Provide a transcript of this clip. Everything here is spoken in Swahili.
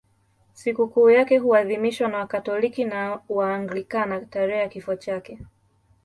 Sikukuu yake huadhimishwa na Wakatoliki na Waanglikana tarehe ya kifo chake.